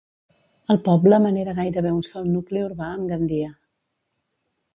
El poble manera gairebé un sol nucli urbà amb Gandia.